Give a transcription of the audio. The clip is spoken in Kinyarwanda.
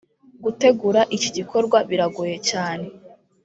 Gutegura iki gikorwa biragoye cyane